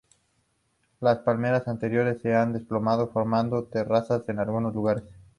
Las paredes interiores se han desplomado, formando terrazas en algunos lugares.